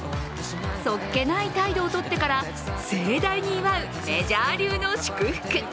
そっけない態度をとってから盛大に祝うメジャー流の祝福。